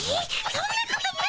そんなことな